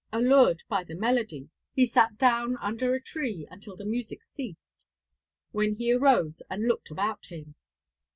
Allured by the melody he sat down under the tree until the music ceased, when he arose and looked about him.